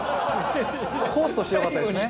コースとして良かったですね。